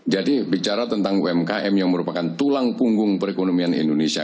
bicara tentang umkm yang merupakan tulang punggung perekonomian indonesia